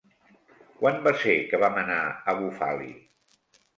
Quan va ser que vam anar a Bufali?